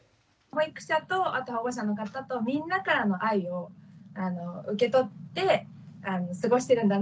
保育者と保護者の方とみんなからの愛を受け取って過ごしてるんだなって